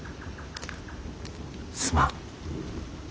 すまん。